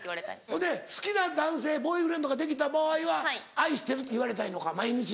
ほんで好きな男性ボーイフレンドができた場合は愛してるって言われたいのか毎日。